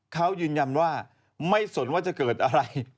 เขายืนยันว่าไม่สนว่าจะเกิดอะไร